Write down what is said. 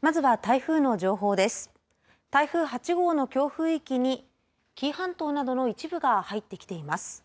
台風８号の強風域に紀伊半島などの一部が入ってきています。